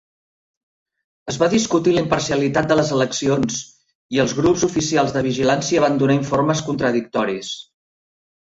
Es va discutir la imparcialitat de les eleccions, i els grups oficials de vigilància van donar informes contradictoris.